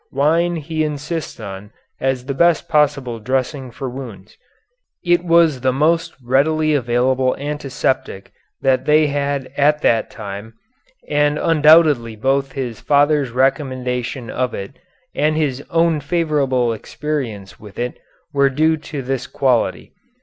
Wine he insists on as the best possible dressing for wounds. It was the most readily available antiseptic that they had at that time, and undoubtedly both his father's recommendation of it and his own favorable experience with it were due to this quality.